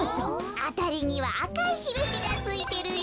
あたりにはあかいしるしがついてるよ。